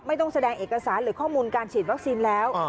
แสดงเอกสารหรือข้อมูลการฉีดวัคซีนแล้ว